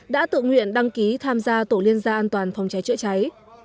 đã tự nguyện đăng ký tham gia tổ liên gia an toàn phòng cháy chữa cháy